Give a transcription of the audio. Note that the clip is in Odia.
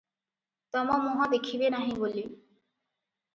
ତମ ମୁହଁ ଦେଖିବେ ନାହିଁ ବୋଲି ।